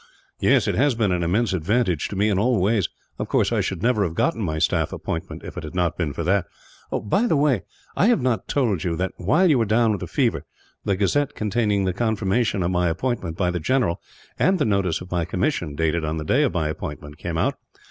"Yes, it has been an immense advantage to me, in all ways. Of course, I should never have got my staff appointment if it had not been for that. "By the way, I have not told you that, while you were down with the fever, the gazette containing the confirmation of my appointment by the general, and the notice of my commission, dated on the day of my appointment, came out.